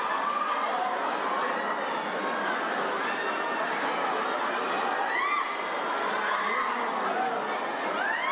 น้องน้องจะพูดหนึ่งนะครับร่างกายสูงรุ่นเสียงแรงนะครับ